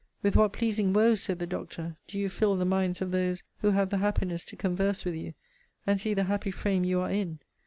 With what pleasing woe, said the Doctor, do you fill the minds of those who have the happiness to converse with you, and see the happy frame you are in!